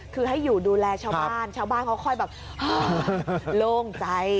คือให้อยู่ดูแลชาวบ้านชาวบ้านเขาค่อยแบบโล่งใจ